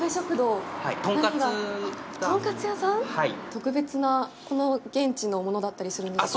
特別なこの現地のものだったりするんですか？